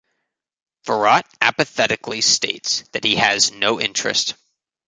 Virat apathetically states that he has no interest.